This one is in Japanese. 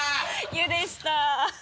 「ゆ」でした。